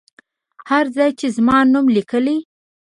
هر ځای چې زما نوم لیکلی.